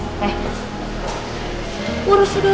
malah ikutan nangis